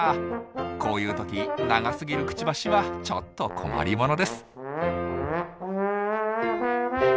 こういう時長すぎるクチバシはちょっと困りものです。